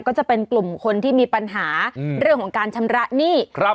ก็จะเป็นกลุ่มคนที่มีปัญหาเรื่องของการชำระหนี้